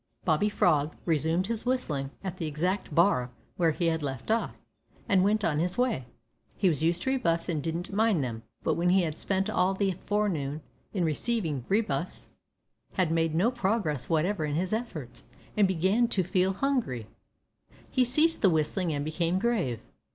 Bobby Frog resumed his whistling, at the exact bar where he had left off, and went on his way. He was used to rebuffs, and didn't mind them. But when he had spent all the forenoon in receiving rebuffs, had made no progress whatever in his efforts, and began to feel hungry, he ceased the whistling and became grave.